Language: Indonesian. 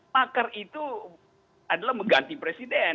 makar itu adalah mengganti presiden